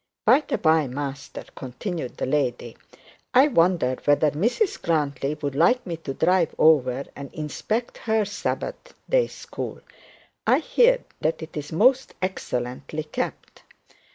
'By the bye, Master,' continued the lady, 'I wonder whether Mrs Grantly would like me to drive over and inspect her Sabbath day school. I hear that it is most excellently kept.'